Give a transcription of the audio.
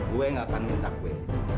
gue gak akan minta kue